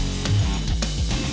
terima kasih chandra